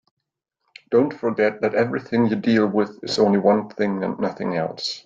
Don't forget that everything you deal with is only one thing and nothing else.